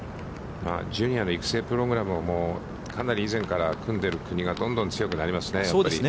ジュニアの育成プログラムをかなり以前から組んでいる国がどんどん強くなりますね、やっぱり。